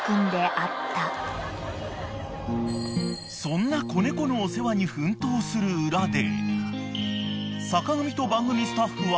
［そんな子猫のお世話に奮闘する裏で］